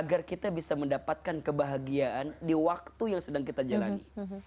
agar kita bisa mendapatkan kebahagiaan di waktu yang sedang kita jalani